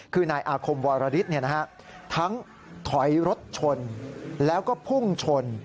คือนายอาคมวรริสทั้งถอยรถชนแล้วก็พุ่งชน